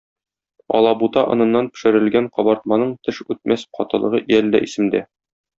Алабута оныннан пешерелгән кабартманың теш үтмәс катылыгы әле дә исемдә.